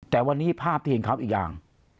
แต่วันนี้ภาพที่เห็นเขาอีกอย่าง